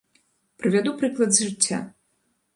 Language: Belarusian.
Прывяду прыклад з жыцця.